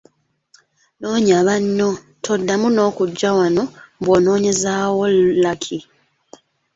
Noonya banno, toddamu n’okujja wano mbu onoonyezaawo Lucky.